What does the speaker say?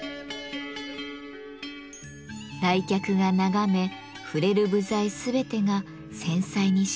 来客が眺め触れる部材全てが繊細に仕上げられています。